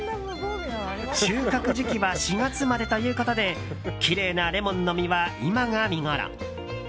収穫時期は４月までということできれいなレモンの実は今が見ごろ。